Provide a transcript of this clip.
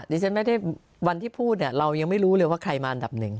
ดิฉันไม่ได้วันที่พูดเนี่ยเรายังไม่รู้เลยว่าใครมาอันดับหนึ่ง